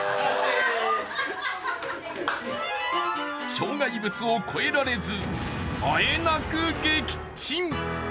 障害物を越えられず、あえなく撃沈。